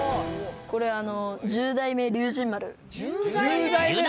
これあの１０代目？